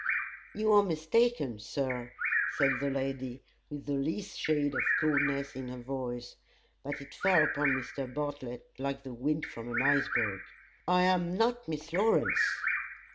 "You are mistaken, Sir," said the lady, with the least shade of coldness in her voice, but it fell upon Mr. Bartlett like the wind from an iceberg "I am not Miss Lawrence."